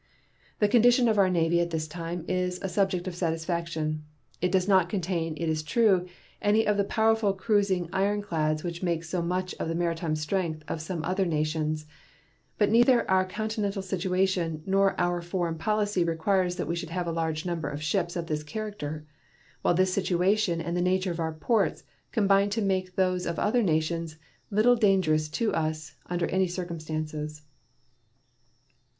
The condition of our Navy at this time is a subject of satisfaction. It does not contain, it is true, any of the powerful cruising ironclads which make so much of the maritime strength of some other nations, but neither our continental situation nor our foreign policy requires that we should have a large number of ships of this character, while this situation and the nature of our ports combine to make those of other nations little dangerous to us under any circumstances.